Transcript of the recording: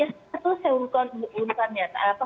ya selesai saya hukumannya